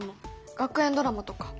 学園ドラマとか。